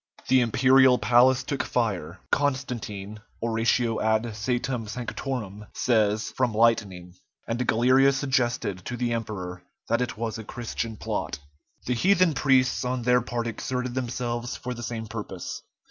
The imperial palace took fire, Constantine ("Oratio ad Coetum Sanctorum") says, from lightning, and Galerius suggested to the emperor that it was a Christian plot. The heathen priests on their part exerted themselves for the same purpose.